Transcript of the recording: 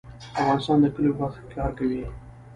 افغانستان د کلیو په برخه کې کار کوي.